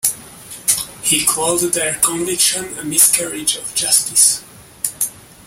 He called their conviction a "miscarriage of justice".